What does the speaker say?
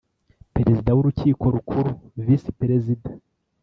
Perezida w Urukiko Rukuru Visi Perezida